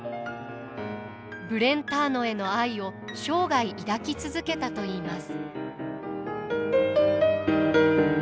ブレンターノへの愛を生涯抱き続けたといいます。